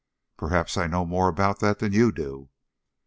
"Perhaps I know more about that than you do."